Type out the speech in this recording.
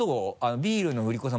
ビールの売り子さん。